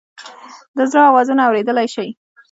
د زړه آوازونه اوریدلئ شې؟